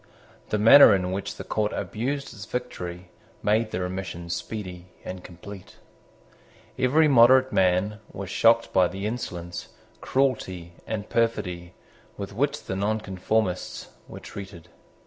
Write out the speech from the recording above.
The manner in which the court abused its victory made the remission speedy and complete. Every moderate man was shocked by the insolence, cruelty, and perfidy with which the Nonconformists were treated.